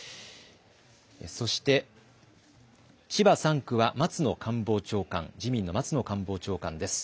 そして千葉３区は松野官房長官、自民の松野官房長官です。